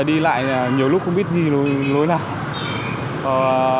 đi lại nhiều lúc không biết đi lối nào